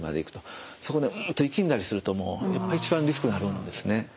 そこでうんと息んだりするともうやっぱり一番リスクになるんですね。